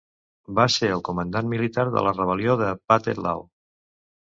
Va ser el comandant militar de la rebel·lió de Pathet Lao.